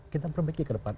kita perbaiki ke depan